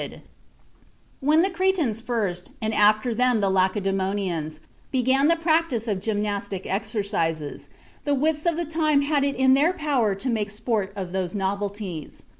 And when the Cretans first, and after them the Lacedæmonians, began the practice of gymnastic exercises, the wits of the time had it in their power to make sport of those novelties....